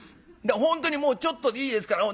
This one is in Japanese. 本当にもうちょっとでいいですから。